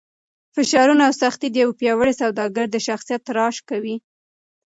فشارونه او سختۍ د یو پیاوړي سوداګر د شخصیت تراش کوي.